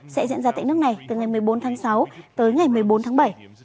sẽ diễn ra tại nước này từ ngày một mươi bốn tháng sáu tới ngày một mươi bốn tháng bảy